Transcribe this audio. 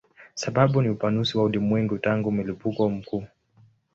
Sababu ni upanuzi wa ulimwengu tangu mlipuko mkuu.